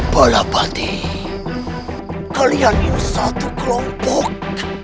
balapati kalian ini satu kelompok